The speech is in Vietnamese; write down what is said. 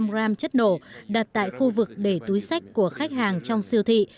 gram chất nổ đặt tại khu vực để túi sách của khách hàng trong siêu thị